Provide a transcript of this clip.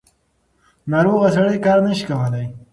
ناروغه سړی کار نشي کولی.